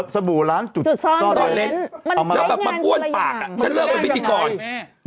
สบู่ล้างจุดซ่อนเล้นมันใช้งานกันอะไรอย่างมันเป็นไปได้ไงแม่